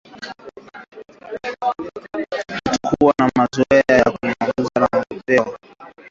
Kutokuwa na mazoea ya kuangamiza kupe